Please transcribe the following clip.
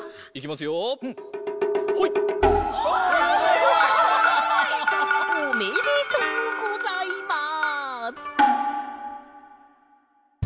すごい！おめでとうございます！